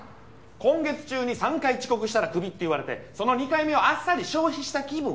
今月中に３回遅刻したらクビって言われてその２回目をあっさり消費した気分は？